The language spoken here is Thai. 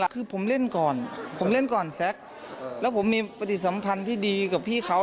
คือผมเล่นก่อนผมเล่นก่อนแซ็กแล้วผมมีปฏิสัมพันธ์ที่ดีกับพี่เขา